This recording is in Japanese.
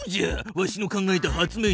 わしの考えた発明品は。